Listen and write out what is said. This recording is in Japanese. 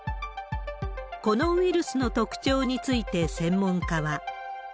このウイルスの特徴について専門家は。